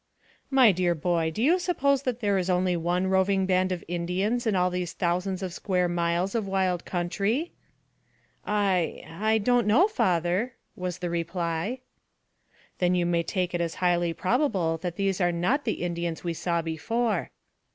"My dear boy, do you suppose that there is only one roving band of Indians in all these thousands of square miles of wild country?" "I I don't know, father," was the reply. "Then you may take it as highly probable that these are not the Indians we saw before."